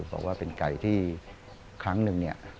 บอกว่าเป็นไก่ที่ครั้งหนึ่งเนี่ย